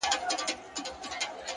هره تېروتنه د پوهې یوه بیه ده